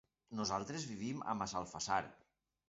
Nosaltres vivim a Massalfassar.